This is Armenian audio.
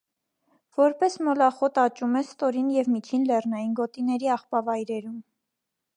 Որպես մոլախոտ աճում է ստորին և միջին լեռնային գոտիների աղբավայրերում։